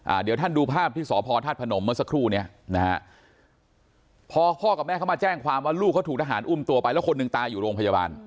เดี๋ยวท่านดูภาพที่สพธาตุพนมเมื่อสักครู่เนี้ยนะฮะพอพ่อกับแม่เขามาแจ้งความว่าลูกเขาถูกทหารอุ้มตัวไปแล้วคนหนึ่งตายอยู่โรงพยาบาล